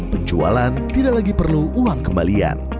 penjualan tidak lagi perlu uang kembalian